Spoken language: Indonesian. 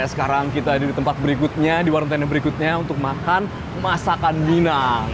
sekarang kita ada di tempat berikutnya di warung tenda berikutnya untuk makan masakan minang